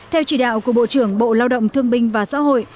theo chỉ đạo của bộ trưởng bộ lao động thương binh và xã hội